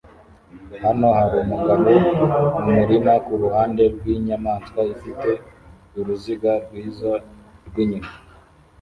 Hano harumugabo mumurima kuruhande rwinyamaswa ifite uruziga rwiza rwinyuma